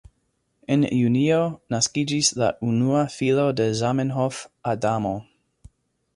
En Junio naskiĝis la unua filo de Zamenhof, Adamo.